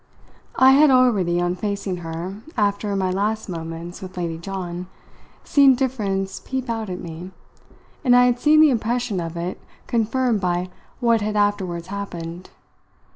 I had already, on facing her, after my last moments with Lady John, seen difference peep out at me, and I had seen the impression of it confirmed by what had afterwards happened.